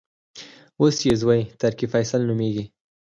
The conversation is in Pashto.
اوس یې زوې ترکي الفیصل نومېږي.